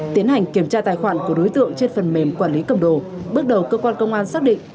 tiến hành kiểm tra tài khoản của đối tượng trên phần mềm quản lý cầm đồ bước đầu cơ quan công an xác định